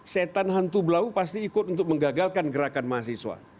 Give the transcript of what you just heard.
setan hantu blau pasti ikut untuk menggagalkan gerakan mahasiswa